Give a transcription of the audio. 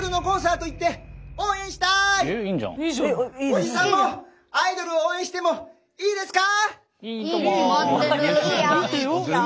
おじさんもアイドルを応援してもいいですか。